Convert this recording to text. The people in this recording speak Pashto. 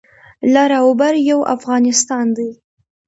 لر او بر یو افغانستان دی